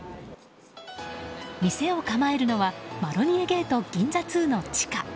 店を構えるのはマロニエゲート銀座２の地下。